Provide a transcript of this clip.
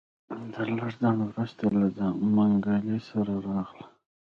تر لږ ځنډ وروسته له منګلي سره راغله.